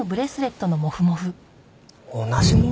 同じもの？